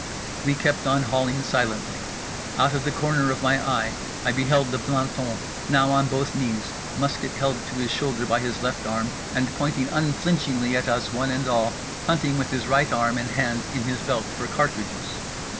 We kept on hauling silently. Out of the corner of my eye I beheld the planton—now on both knees, musket held to his shoulder by his left arm and pointing unflinchingly at us one and all—hunting with his right arm and hand in his belt for cartridges!